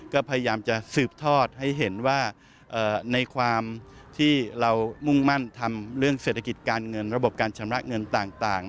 ก็พยายามจะสืบทอดให้เห็นว่าในความที่เรามุ่งมั่นทำเรื่องเศรษฐกิจการเงินระบบการชำระเงินต่าง